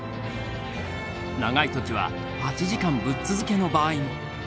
長い時は８時間ぶっ続けの場合も。